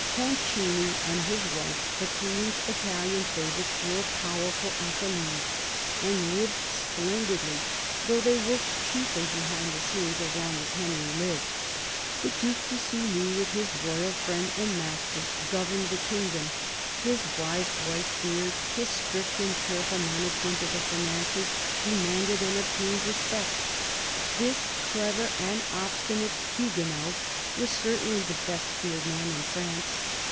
Concini and his wife, the Queen's Italian favourites, were powerful at the Louvre and lived splendidly, though they worked chiefly behind the scenes as long as Henry lived. The Due de Sully, with his royal friend and master, governed the kingdom. His wise white beard, his strict and careful management of the finances, demanded and obtained re spect. This clever and obstinate Huguenot was certainly the best feared man in France.